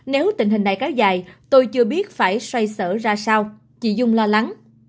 nếu tình hình này kéo dài tôi chưa biết phải xoay sở ra sao chị dung lo lắng